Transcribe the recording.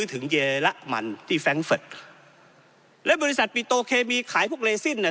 ถึงเยระมันที่แร้งเฟิร์ตและบริษัทปิโตเคมีขายพวกเลซินเนี่ย